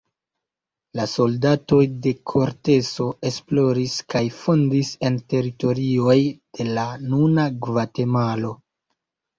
La soldatoj de Korteso esploris kaj fondis en teritorioj de la nuna Gvatemalo.